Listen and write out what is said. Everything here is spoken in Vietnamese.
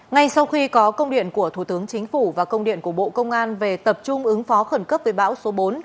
ngay sau khi có công điện của thủ tướng chính phủ và công điện của bộ công an về tập trung ứng phó khẩn cấp với bão số bốn